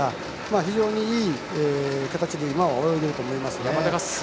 非常にいい形で今は泳いでると思います。